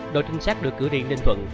đội trinh sát được cử riêng ninh thuận